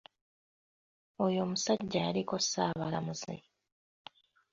Oyo omusajja yaliko ssaabalamuzi.